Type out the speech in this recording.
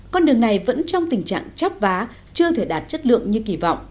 con đường này vẫn trong tình trạng chấp vá chưa thể đạt chất lượng như kỳ vọng